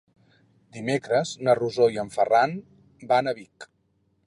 Dimecres na Rosó i en Ferran van a Vic.